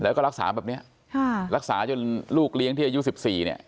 แล้วก็รักษาแบบเนี้ยค่ะรักษาจนลูกเลี้ยงที่อายุสิบสี่เนี่ย